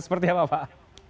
seperti apa pak